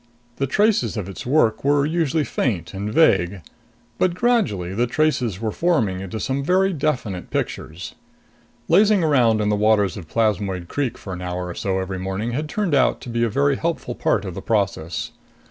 The traces of its work were usually faint and vague. But gradually the traces were forming into some very definite pictures. Lazing around in the waters of Plasmoid Creek for an hour or so every morning had turned out to be a helpful part of the process.